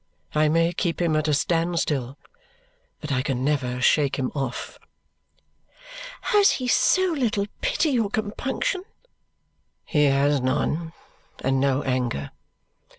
I may keep him at a standstill, but I can never shake him off." "Has he so little pity or compunction?" "He has none, and no anger.